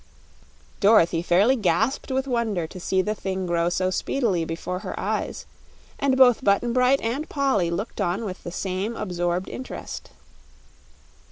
Dorothy fairly gasped with wonder to see the thing grow so speedily before her eyes, and both Button Bright and Polly looked on with the same absorbed interest.